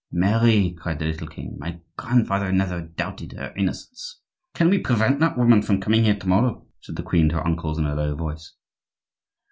"Mary!" cried the little king, "my grandfather never doubted her innocence." "Can we prevent that woman from coming here to morrow?" said the queen to her uncles in a low voice.